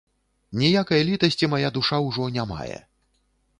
Ніякай літасці мая душа ўжо не мае.